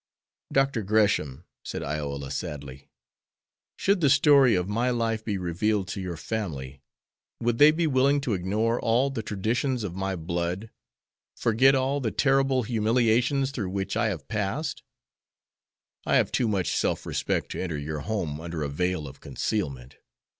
"Dr. Gresham," said Iola, sadly, "should the story of my life be revealed to your family, would they be willing to ignore all the traditions of my blood, forget all the terrible humiliations through which I have passed? I have too much self respect to enter your home under a veil of concealment.